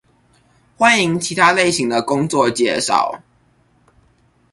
歡迎其他類型的工作介紹